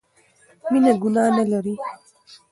مينه ګناه نه لري